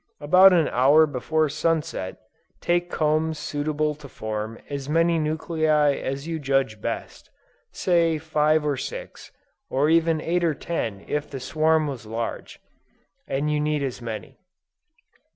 About an hour before sunset, take combs suitable to form as many nuclei as you judge best, say five or six, or even eight or ten if the swarm was large, and you need as many.